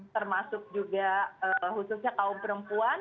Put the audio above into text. termasuk juga khususnya kaum perempuan